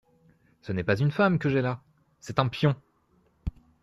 Ce n’est pas une femme que j’ai là, c’est un pion !…